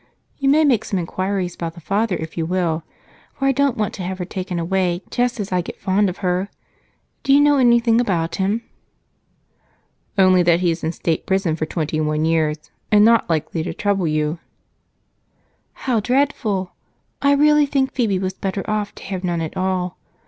You may make some inquiries about the father if you will, for I don't want to have her taken away just as I get fond of her. Do you know anything about him?" "Only that he is in State Prison for twenty one years, and not likely to trouble you." "How dreadful! I really think Phebe was better off to have none at all.